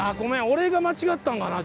俺が間違ったんかな？